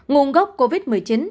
nguồn gốc covid một mươi chín